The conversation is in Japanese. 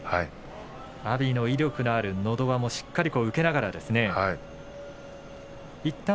阿炎の威力あるのど輪もしっかり受け止めました。